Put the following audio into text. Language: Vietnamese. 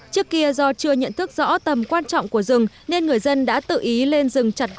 trước kia do chưa nhận thức rõ tầm quan trọng của rừng nên người dân đã tự ý lên rừng chặt gỗ